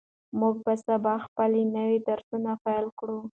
موږ به سبا خپل نوی درس پیل کړو.